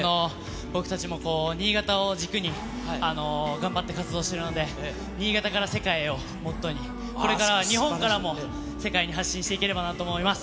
僕たちもこう、新潟を軸に頑張って活動してるので、新潟から世界へをモットーに、これから日本からも世界に発信していければなと思います。